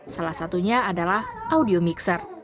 salah satunya adalah audio mixer